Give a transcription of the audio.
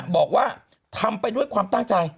บอกว่าทำไปด้วยความตั้งใจ